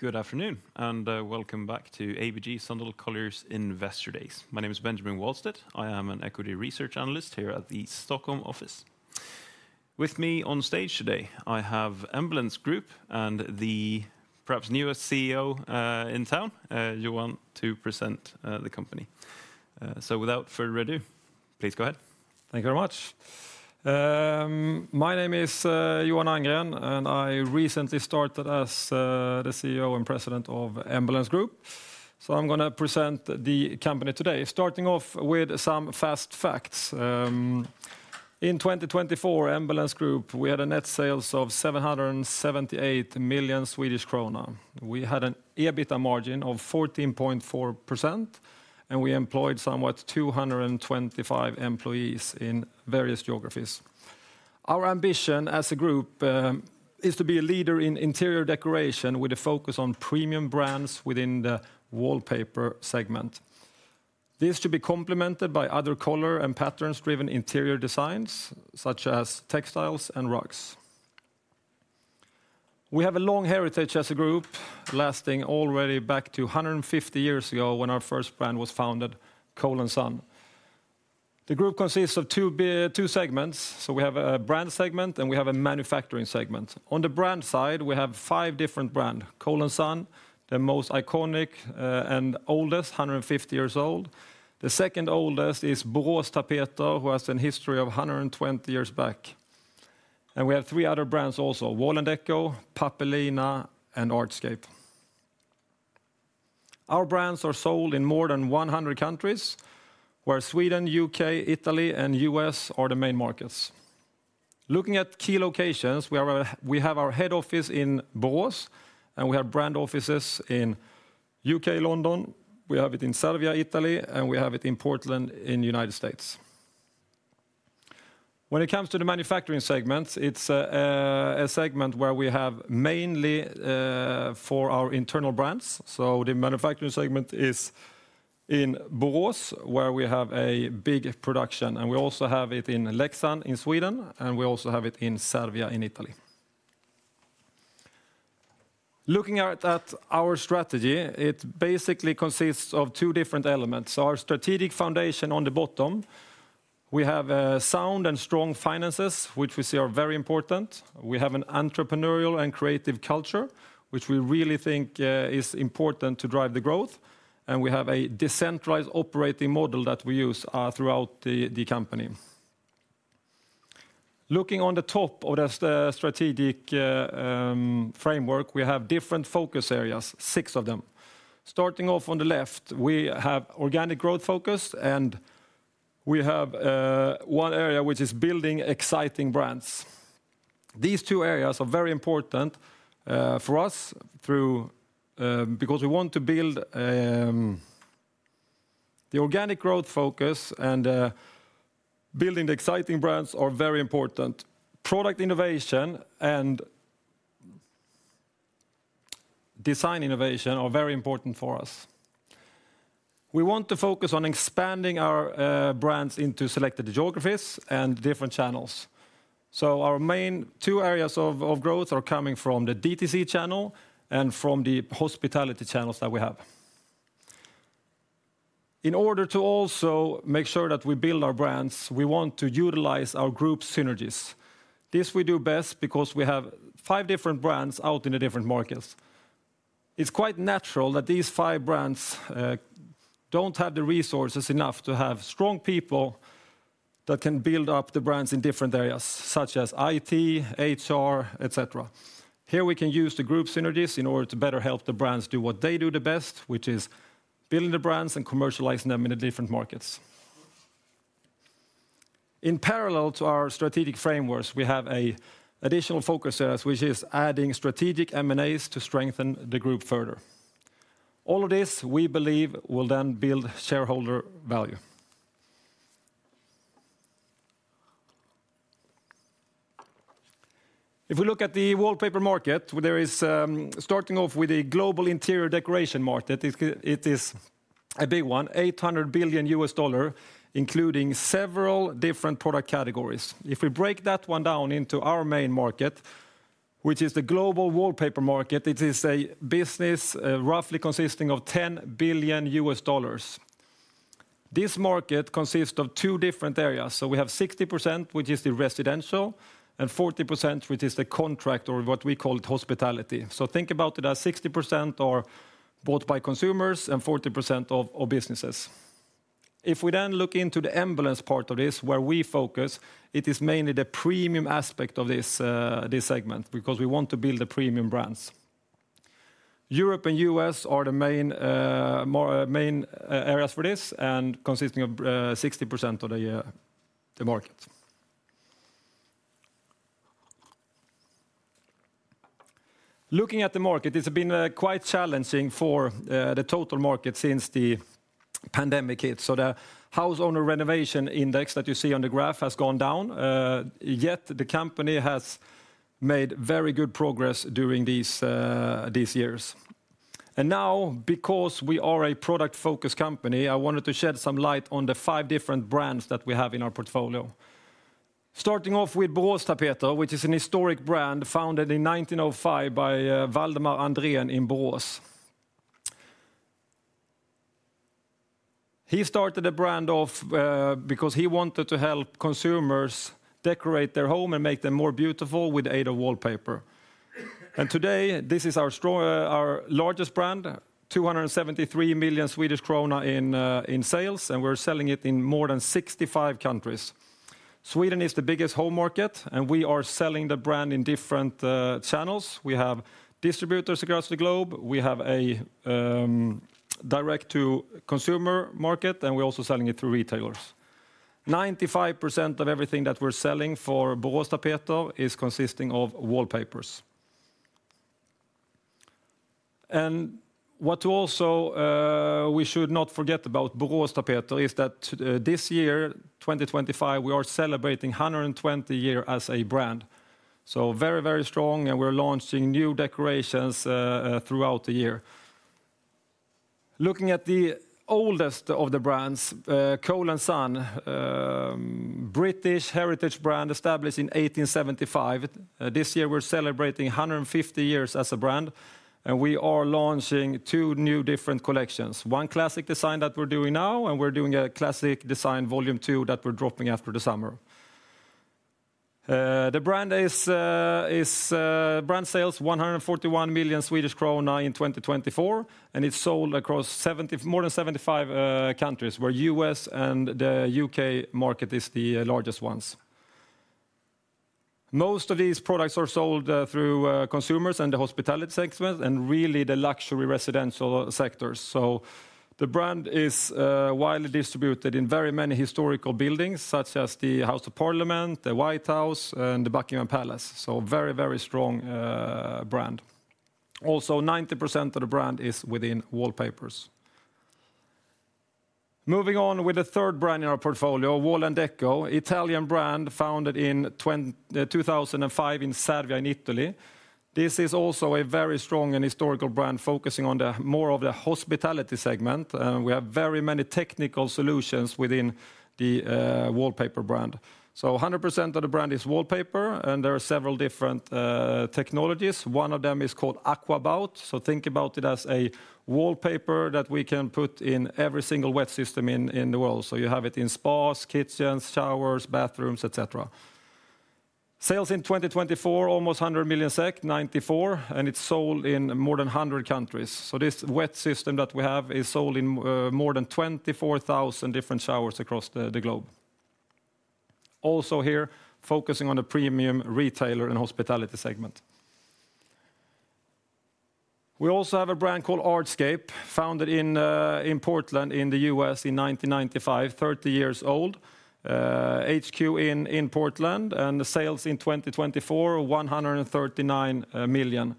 Good afternoon, and welcome back to ABG Sundal Collier's Investor Days. My name is Benjamin Wahlstedt. I am an Equity Research Analyst here at the Stockholm office. With me on stage today, I have Embellence Group and the perhaps newest CEO in town, Johan, to present the company. Without further ado, please go ahead. Thank you very much. My name is Johan Andgren, and I recently started as the CEO and President of Embellence Group. I am going to present the company today, starting off with some fast facts. In 2024, Embellence Group, we had net sales of 778 million Swedish krona. We had an EBITDA margin of 14.4%, and we employed somewhat 225 employees in various geographies. Our ambition as a group is to be a leader in interior decoration with a focus on premium brands within the wallpaper segment. This should be complemented by other color and patterns-driven interior designs, such as textiles and rugs. We have a long heritage as a group, lasting already back to 150 years ago when our first brand was founded, Cole & Son. The group consists of two segments. We have a brand segment, and we have a manufacturing segment. On the brand side, we have five different brands: Cole & Son, the most iconic and oldest, 150 years old. The second oldest is Boråstapeter, who has a history of 120 years back. We have three other brands also: Wall&decò, Pappelina, and Artscape. Our brands are sold in more than 100 countries, where Sweden, U.K., Italy, and U.S. are the main markets. Looking at key locations, we have our head office in Borås, and we have brand offices in U.K. London. We have it in Serbia, Italy, and we have it in Portland in the United States. When it comes to the manufacturing segment, it's a segment where we have mainly for our internal brands. The manufacturing segment is in Borås, where we have a big production, and we also have it in Leksand in Sweden, and we also have it in Serbia in Italy. Looking at our strategy, it basically consists of two different elements. Our strategic foundation on the bottom, we have sound and strong finances, which we see are very important. We have an entrepreneurial and creative culture, which we really think is important to drive the growth. We have a decentralized operating model that we use throughout the company. Looking on the top of the strategic framework, we have different focus areas, six of them. Starting off on the left, we have organic growth focus, and we have one area which is building exciting brands. These two areas are very important for us because we want to build the organic growth focus, and building the exciting brands are very important. Product innovation and design innovation are very important for us. We want to focus on expanding our brands into selected geographies and different channels. Our main two areas of growth are coming from the DTC Channel and from the Hospitality Channels that we have. In order to also make sure that we build our brands, we want to utilize our group synergies. This we do best because we have five different brands out in the different markets. It's quite natural that these five brands don't have the resources enough to have strong people that can build up the brands in different areas, such as IT, HR, etc. Here we can use the group synergies in order to better help the brands do what they do the best, which is building the brands and commercializing them in the different markets. In parallel to our strategic frameworks, we have an additional focus area, which is adding strategic M&As to strengthen the group further. All of this, we believe, will then build shareholder value. If we look at the wallpaper market, there is starting off with a global interior decoration market. It is a big one, $800 billion, including several different product categories. If we break that one down into our main market, which is the global wallpaper market, it is a business roughly consisting of $10 billion. This market consists of two different areas. We have 60%, which is the residential, and 40%, which is the contract or what we call hospitality. Think about it as 60% are bought by consumers and 40% are businesses. If we then look into the Embellence part of this, where we focus, it is mainly the premium aspect of this segment because we want to build the premium brands. Europe and U.S. are the main areas for this and consisting of 60% of the market. Looking at the market, it's been quite challenging for the total market since the pandemic hit. The house owner renovation index that you see on the graph has gone down, yet the company has made very good progress during these years. Now, because we are a product-focused company, I wanted to shed some light on the five different brands that we have in our portfolio. Starting off with Boråstapeter, which is a historic brand founded in 1905 by Waldemar Andrén in Borås. He started the brand off because he wanted to help consumers decorate their home and make them more beautiful with the aid of wallpaper. Today, this is our largest brand, 273 million Swedish krona in sales, and we're selling it in more than 65 countries. Sweden is the biggest home market, and we are selling the brand in different channels. We have distributors across the globe. We have a direct-to-consumer market, and we're also selling it through retailers. 95% of everything that we're selling for Boråstapeter is consisting of wallpapers. And what we should not forget about Boråstapeter is that this year, 2025, we are celebrating 120 years as a brand. So very, very strong, and we're launching new decorations throughout the year. Looking at the oldest of the brands, Cole & Son, a British heritage brand established in 1875. This year, we're celebrating 150 years as a brand, and we are launching two new different collections. One classic design that we're doing now, and we're doing a Classic Design Volume II that we're dropping after the summer. The brand sales 141 million Swedish krona in 2024, and it's sold across more than 75 countries, where the U.S. and the U.K. market is the largest ones. Most of these products are sold through consumers and the hospitality segment and really the luxury residential sectors. The brand is widely distributed in very many historical buildings, such as the House of Parliament, the White House, and Buckingham Palace. Very, very strong brand. Also, 90% of the brand is within wallpapers. Moving on with the third brand in our portfolio, Wall&decò, an Italian brand founded in 2005 in Serbia and Italy. This is also a very strong and historical brand focusing on more of the hospitality segment, and we have very many technical solutions within the wallpaper brand. 100% of the brand is wallpaper, and there are several different technologies. One of them is called AQUABOUT. Think about it as a wallpaper that we can put in every single wet system in the world. You have it in spas, kitchens, showers, bathrooms, etc. Sales in 2024, almost 100 million SEK, 94 million, and it's sold in more than 100 countries. This wet system that we have is sold in more than 24,000 different showers across the globe. Also here, focusing on the premium retailer and hospitality segment. We also have a brand called Artscape, founded in Portland in the U.S. in 1995, 30 years old, HQ in Portland, and sales in 2024, 139 million.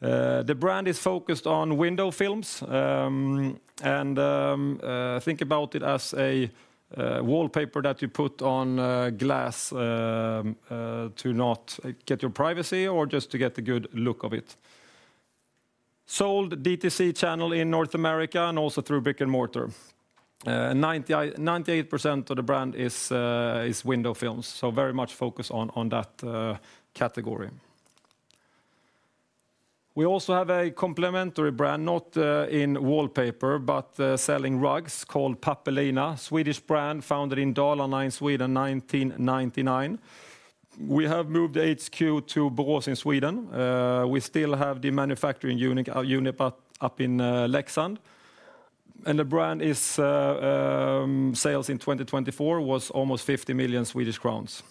The brand is focused on window films, and think about it as a wallpaper that you put on glass to not get your privacy or just to get a good look of it. Sold DTC channel in North America and also through brick and mortar. 98% of the brand is window films, so very much focus on that category. We also have a complementary brand, not in wallpaper, but selling rugs called Pappelina, Swedish brand founded in Dalarna in Sweden in 1999. We have moved HQ to Borås in Sweden. We still have the manufacturing unit up in Leksand, and the brand's sales in 2024 was almost 50 million Swedish crowns.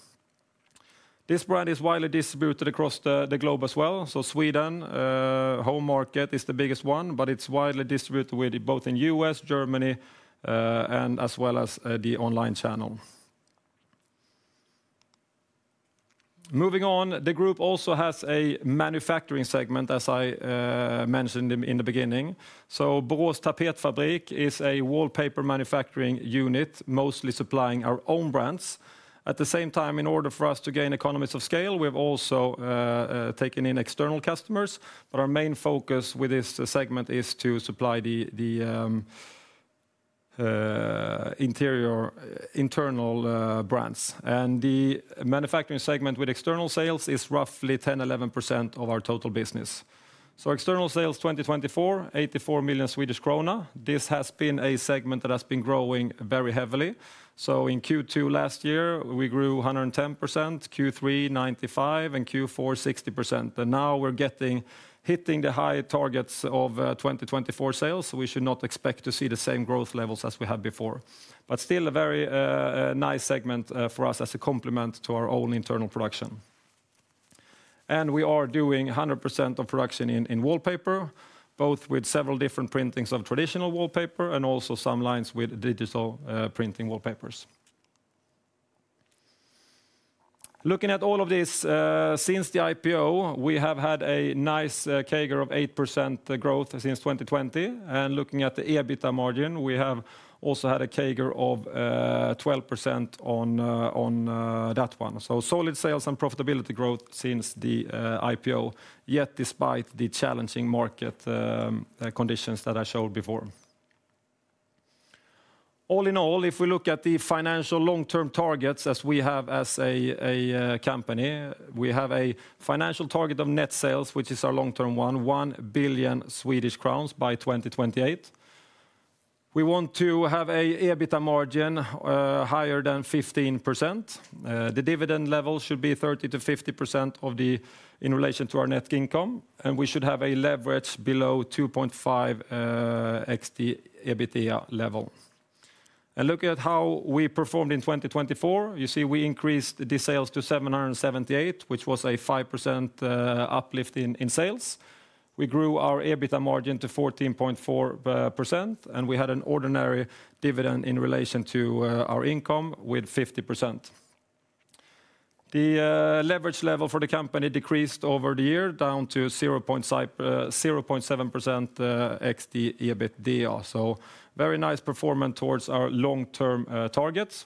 This brand is widely distributed across the globe as well. Sweden, home market is the biggest one, but it's widely distributed both in the U.S., Germany, and as well as the online channel. Moving on, the group also has a manufacturing segment, as I mentioned in the beginning. Borås Tapetfabrik is a wallpaper manufacturing unit, mostly supplying our own brands. At the same time, in order for us to gain economies of scale, we have also taken in external customers, but our main focus with this segment is to supply the internal brands. The manufacturing segment with external sales is roughly 10%-11% of our total business. External sales 2024, 84 million Swedish krona. This has been a segment that has been growing very heavily. In Q2 last year, we grew 110%, Q3 95%, and Q4 60%. Now we are hitting the high targets of 2024 sales, so we should not expect to see the same growth levels as we had before. Still, a very nice segment for us as a complement to our own internal production. We are doing 100% of production in wallpaper, both with several different printings of traditional wallpaper and also some lines with digital printing wallpapers. Looking at all of this, since the IPO, we have had a nice CAGR of 8% growth since 2020. Looking at the EBITDA margin, we have also had a CAGR of 12% on that one. Solid sales and profitability growth since the IPO, yet despite the challenging market conditions that I showed before. All in all, if we look at the financial long-term targets as we have as a company, we have a financial target of net sales, which is our long-term one, 1 billion Swedish crowns by 2028. We want to have an EBITDA margin higher than 15%. The dividend level should be 30%-50% in relation to our net income, and we should have a leverage below 2.5x the EBITDA level. Looking at how we performed in 2024, you see we increased the sales to 778 million, which was a 5% uplift in sales. We grew our EBITDA margin to 14.4%, and we had an ordinary dividend in relation to our income with 50%. The leverage level for the company decreased over the year down to 0.7x the EBITDA. Very nice performance towards our long-term targets.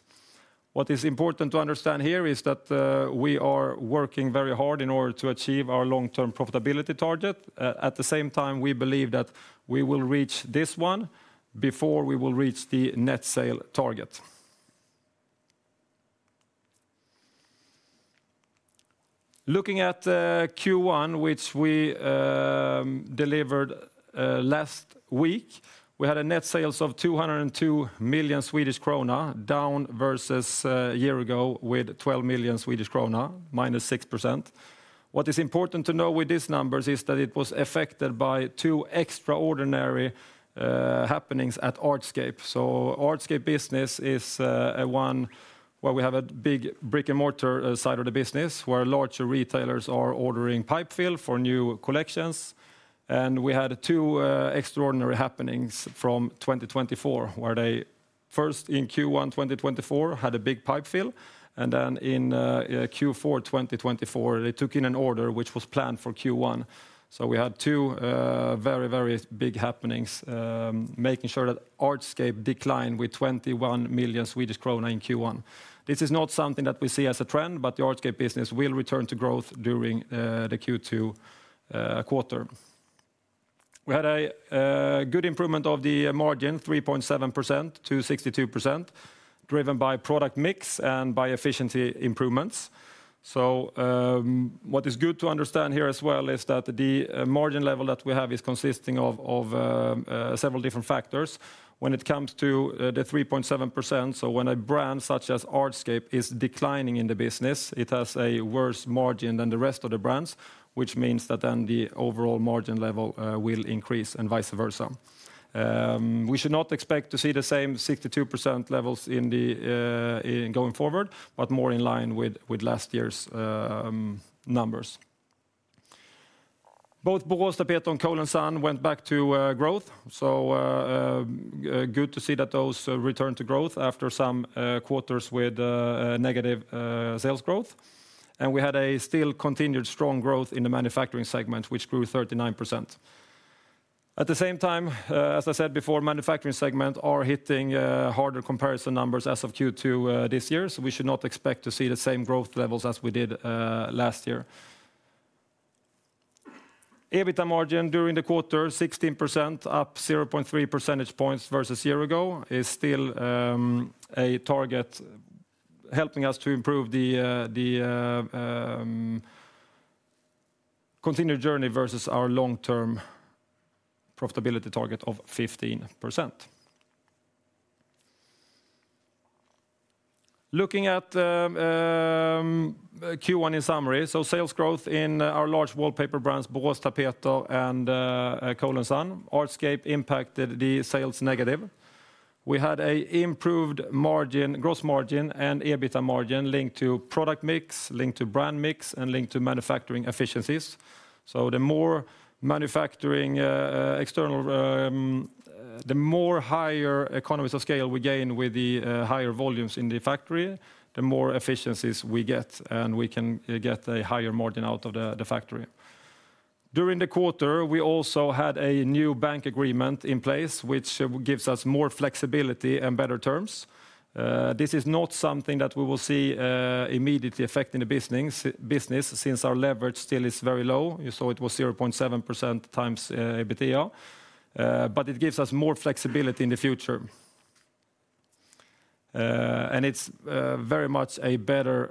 What is important to understand here is that we are working very hard in order to achieve our long-term profitability target. At the same time, we believe that we will reach this one before we will reach the net sales target. Looking at Q1, which we delivered last week, we had net sales of 202 million Swedish krona, down versus a year ago with 12 million Swedish krona, -6%. What is important to know with these numbers is that it was affected by two extraordinary happenings at Artscape. Artscape business is one where we have a big brick and mortar side of the business where larger retailers are ordering pipe fill for new collections. We had two extraordinary happenings from 2024 where they first in Q1 2024 had a big pipe fill, and then in Q4 2024, they took in an order which was planned for Q1. We had two very, very big happenings making sure that Artscape declined with 21 million Swedish krona in Q1. This is not something that we see as a trend, but the Artscape business will return to growth during the Q2 quarter. We had a good improvement of the margin, 3.7% to 62%, driven by product mix and by efficiency improvements. What is good to understand here as well is that the margin level that we have is consisting of several different factors. When it comes to the 3.7%, so when a brand such as Artscape is declining in the business, it has a worse margin than the rest of the brands, which means that then the overall margin level will increase and vice versa. We should not expect to see the same 62% levels going forward, but more in line with last year's numbers. Both Boråstapeter and Cole & Son went back to growth. Good to see that those returned to growth after some quarters with negative sales growth. We had a still continued strong growth in the manufacturing segment, which grew 39%. At the same time, as I said before, manufacturing segment are hitting harder comparison numbers as of Q2 this year. We should not expect to see the same growth levels as we did last year. EBITDA margin during the quarter, 16%, up 0.3 percentage points versus a year ago, is still a target helping us to improve the continued journey versus our long-term profitability target of 15%. Looking at Q1 in summary, sales growth in our large wallpaper brands, Boråstapeter and Cole & Son, Artscape impacted the sales negative. We had an improved gross margin and EBITDA margin linked to product mix, linked to brand mix, and linked to manufacturing efficiencies. The more external, the more higher economies of scale we gain with the higher volumes in the factory, the more efficiencies we get, and we can get a higher margin out of the factory. During the quarter, we also had a new bank agreement in place, which gives us more flexibility and better terms. This is not something that we will see immediately affecting the business since our leverage still is very low. You saw it was 0.7 times EBITDA, but it gives us more flexibility in the future. It is very much a better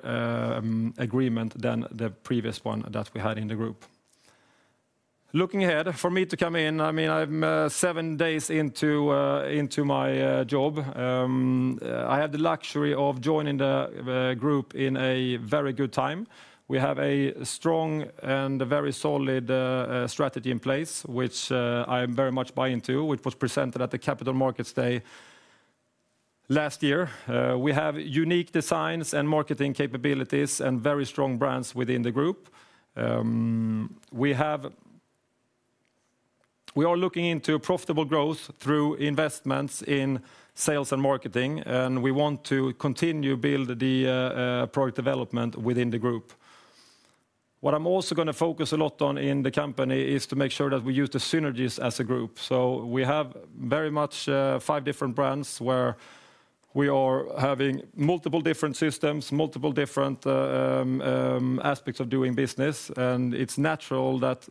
agreement than the previous one that we had in the group. Looking ahead for me to come in, I mean, I'm seven days into my job. I had the luxury of joining the group in a very good time. We have a strong and very solid strategy in place, which I very much buy into, which was presented at the Capital Markets Day last year. We have unique designs and marketing capabilities and very strong brands within the group. We are looking into profitable growth through investments in sales and marketing, and we want to continue to build the product development within the group. What I'm also going to focus a lot on in the company is to make sure that we use the synergies as a group. We have very much five different brands where we are having multiple different systems, multiple different aspects of doing business, and it's natural that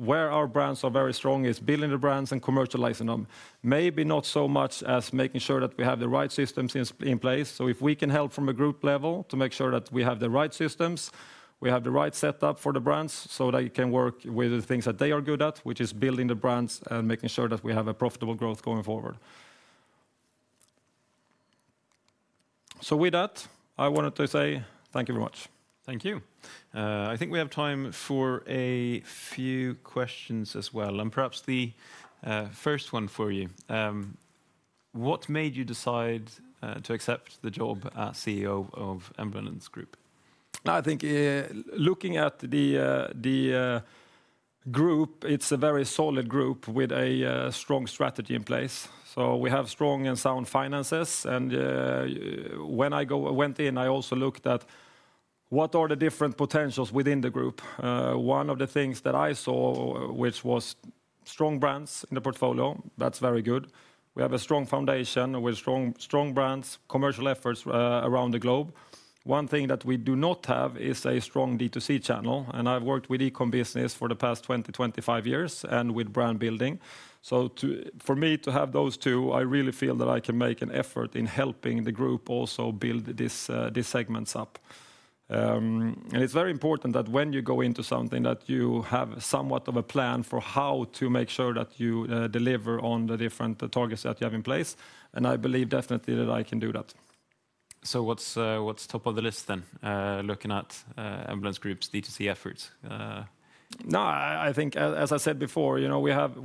where our brands are very strong is building the brands and commercializing them. Maybe not so much as making sure that we have the right systems in place. If we can help from a group level to make sure that we have the right systems, we have the right setup for the brands so that they can work with the things that they are good at, which is building the brands and making sure that we have a profitable growth going forward. With that, I wanted to say thank you very much. Thank you. I think we have time for a few questions as well, and perhaps the first one for you. What made you decide to accept the job as CEO of Embellence Group? I think looking at the group, it's a very solid group with a strong strategy in place. We have strong and sound finances, and when I went in, I also looked at what are the different potentials within the group. One of the things that I saw, which was strong brands in the portfolio, that's very good. We have a strong foundation with strong brands, commercial efforts around the globe. One thing that we do not have is a strong DTC channel, and I've worked with e-com business for the past 20-25 years and with brand building. For me to have those two, I really feel that I can make an effort in helping the group also build these segments up. It is very important that when you go into something that you have somewhat of a plan for how to make sure that you deliver on the different targets that you have in place, and I believe definitely that I can do that. What's top of the list then looking at Embellence Group's DTC efforts? I think, as I said before, we have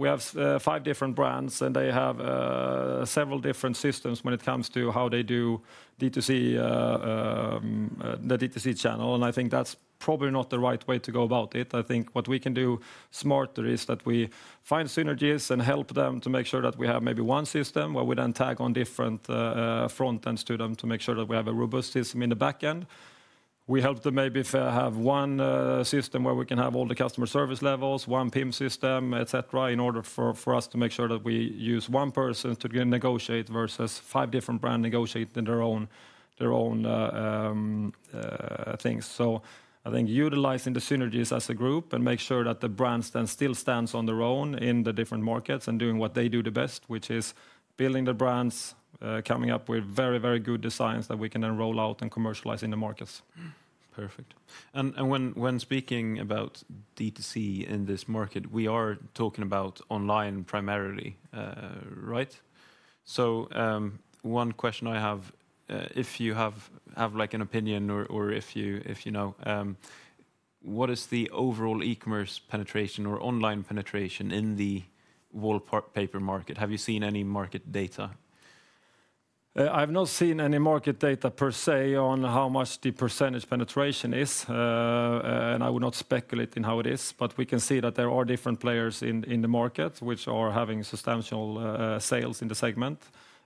five different brands, and they have several different systems when it comes to how they do the DTC channel, and I think that's probably not the right way to go about it. I think what we can do smarter is that we find synergies and help them to make sure that we have maybe one system where we then tag on different frontends to them to make sure that we have a robust system in the backend. We help them maybe have one system where we can have all the customer service levels, one PIM system, etc., in order for us to make sure that we use one person to negotiate versus five different brands negotiating their own things. I think utilizing the synergies as a group and make sure that the brands then still stand on their own in the different markets and doing what they do the best, which is building the brands, coming up with very, very good designs that we can then roll out and commercialize in the markets. Perfect. When speaking about DTC in this market, we are talking about online primarily, right? One question I have, if you have an opinion or if you know, what is the overall e-commerce penetration or online penetration in the wallpaper market? Have you seen any market data? I've not seen any market data per se on how much the percent penetration is, and I would not speculate in how it is, but we can see that there are different players in the market which are having substantial sales in the segment,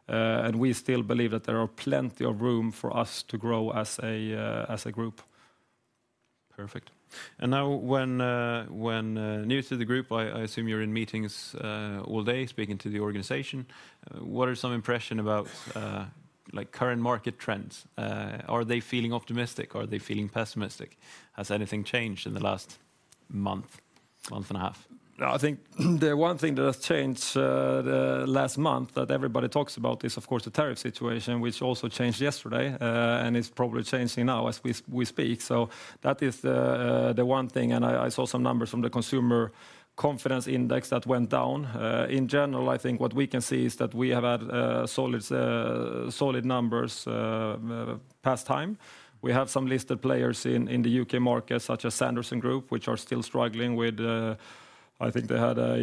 and we still believe that there is plenty of room for us to grow as a group. Perfect. Now, when new to the group, I assume you're in meetings all day speaking to the organization. What are some impressions about current market trends? Are they feeling optimistic? Are they feeling pessimistic? Has anything changed in the last month, month and a half? I think the one thing that has changed last month that everybody talks about is, of course, the tariff situation, which also changed yesterday and is probably changing now as we speak. That is the one thing, and I saw some numbers from the Consumer Confidence Index that went down. In general, I think what we can see is that we have had solid numbers past time. We have some listed players in the U.K. market, such as Sanderson Group, which are still struggling with, I think they had a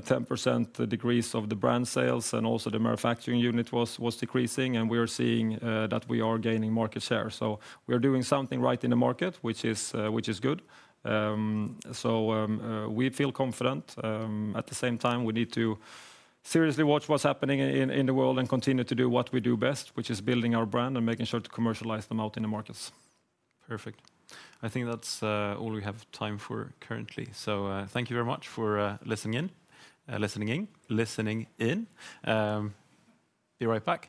10% decrease of the brand sales, and also the manufacturing unit was decreasing, and we are seeing that we are gaining market share. We are doing something right in the market, which is good. We feel confident. At the same time, we need to seriously watch what's happening in the world and continue to do what we do best, which is building our brand and making sure to commercialize them out in the markets. Perfect. I think that's all we have time for currently. So thank you very much for listening in. Be right back.